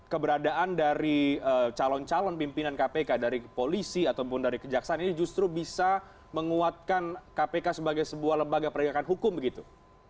keberadaan dari calon calon pimpinan kpk dari polisi ataupun dari kejaksaan ini justru bisa menguatkan kpk sebagai sebuah lembaga penegakan hukum begitu